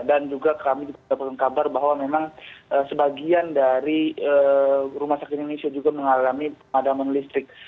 juga kami dapatkan kabar bahwa memang sebagian dari rumah sakit indonesia juga mengalami pemadaman listrik